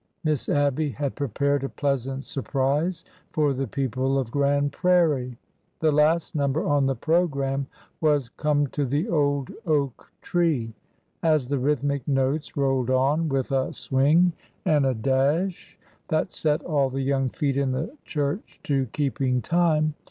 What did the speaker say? Miss Abby had prepared a pleasant surprise for the people of Grand Prairie. The last number on the program was " Come to the Old Oak Tree." As the rhythmic notes rolled on with a swing and a dash that set all the young feet in the church to keeping time.